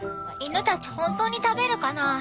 犬たち本当に食べるかな。